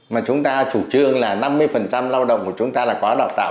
mà chúng ta chủ trương là năm mươi lao động của chúng ta là quá đào tạo